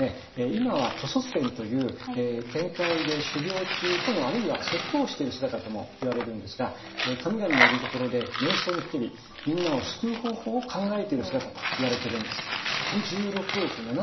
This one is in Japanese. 今は兜率天という天界で修行中ともあるいは説法をしている姿ともいわれるんですが神々のいるところで瞑想にふけりみんなを救う方法を考えている姿といわれているんです。といわれているんです。